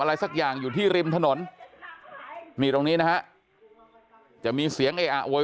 อะไรสักอย่างอยู่ที่ริมถนนนี่ตรงนี้นะฮะจะมีเสียงเออะโวย